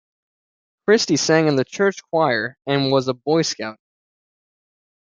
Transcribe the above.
Christie sang in the church choir and was a Boy Scout.